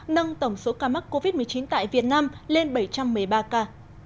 nâng tổng số ca mắc covid một mươi chín tại việt nam lên bảy trăm một mươi ba ca